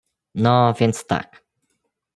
"No, więc tak."